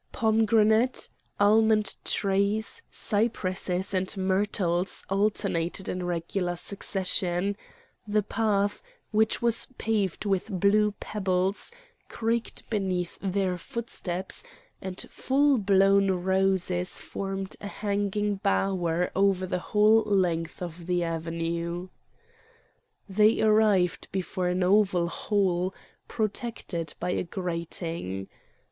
Pomegranate, almond trees, cypresses and myrtles alternated in regular succession; the path, which was paved with blue pebbles, creaked beneath their footsteps, and full blown roses formed a hanging bower over the whole length of the avenue. They arrived before an oval hole protected by a grating.